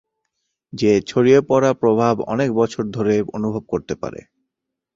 যে ছড়িয়ে পড়া প্রভাব অনেক বছর ধরে অনুভব করতে পারে।